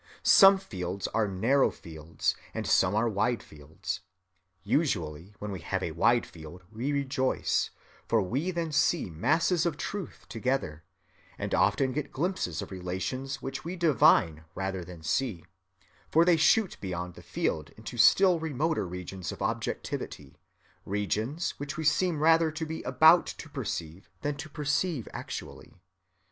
Some fields are narrow fields and some are wide fields. Usually when we have a wide field we rejoice, for we then see masses of truth together, and often get glimpses of relations which we divine rather than see, for they shoot beyond the field into still remoter regions of objectivity, regions which we seem rather to be about to perceive than to perceive actually.